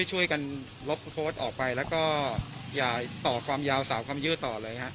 ช่วยกันลบโพสต์ออกไปแล้วก็อย่าต่อความยาวสาวความยืดต่อเลยฮะ